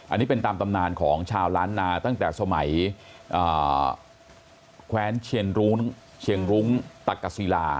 อันนี้เป็นตามตำนานของชาวล้านนาตั้งแต่สมัยแคว้นเชียนรุ้งเชียงรุ้งตักกษีลา